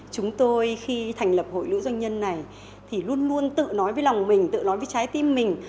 chúng tôi khi thành lập hội nữ doanh nhân này thì luôn luôn tự nói với lòng mình tự nói với trái tim mình